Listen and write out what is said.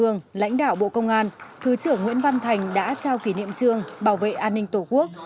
lãnh đạo bộ công an thứ trưởng nguyễn văn thành đã trao kỷ niệm trương bảo vệ an ninh tổ quốc